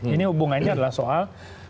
ini hubungannya adalah soal